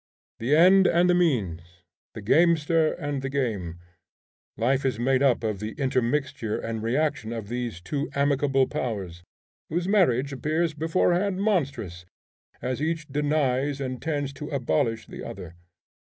The end and the means, the gamester and the game, life is made up of the intermixture and reaction of these two amicable powers, whose marriage appears beforehand monstrous, as each denies and tends to abolish the other.